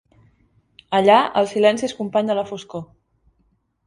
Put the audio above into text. Allà el silenci és company de la foscor.